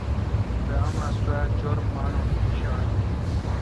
بہ اماں سوا چُر مانوش بساں۔